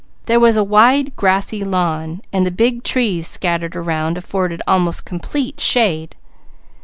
There was a wide grassy lawn where the big trees scattered around afforded almost complete shade.